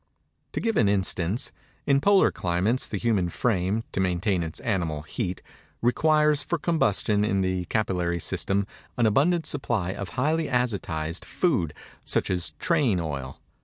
To give an instance:—In polar climates the human frame, to maintain its animal heat, requires, for combustion in the capillary system, an abundant supply of highly azotized food, such as train oil.